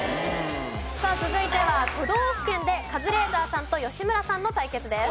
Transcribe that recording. さあ続いては都道府県でカズレーザーさんと吉村さんの対決です。